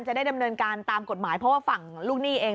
จะได้ดำเนินการตามกฎหมายเพราะว่าฝั่งลูกหนี้เอง